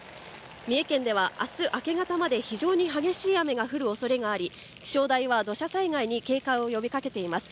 三重県ではあす明け方まで非常に激しい雨が降るおそれがあり気象台は土砂災害に警戒を呼びかけています